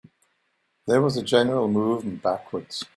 There was a general movement backwards.